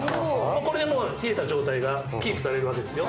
これでもう冷えた状態がキープされるわけですよ。